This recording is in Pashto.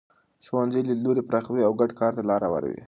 ښوونځي لیدلوري پراخوي او ګډ کار ته لاره هواروي.